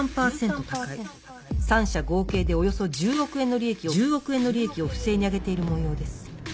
３社合計でおよそ１０億円の利益を不正にあげているもようです